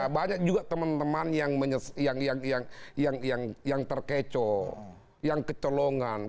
banyak juga teman teman yang terkecoh yang kecolongan